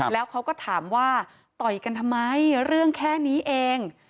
แล้วเขาก็ถามว่าต่อยกันทำไมเรื่องแค่นี้เอง